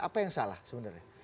apa yang salah sebenarnya